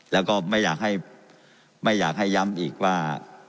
แล้วก็ไม่อยากให้ไม่อยากให้ย้ำอีกว่า